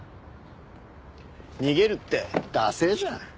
逃げるってダセエじゃん。